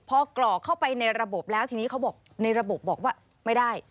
พอกรอกเข้าไปในระบบแล้วทีนี้เขาบอกในระบบบอกว่าไม่ได้